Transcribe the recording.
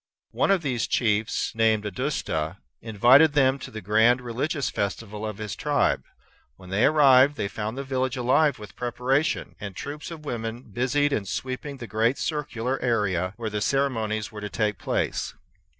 One of these chiefs, named Audusta, invited them to the grand religious festival of his tribe. When they arrived, they found the village alive with preparation, and troops of women busied in sweeping the great circular area where the ceremonies were to take place.